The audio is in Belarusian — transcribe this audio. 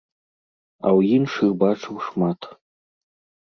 А ў іншых бачыў шмат.